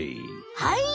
はい。